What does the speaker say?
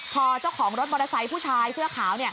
พอเจ้าของรถมอเตอร์ไซค์ผู้ชายเสื้อขาว